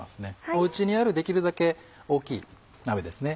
おうちにあるできるだけ大きい鍋ですね。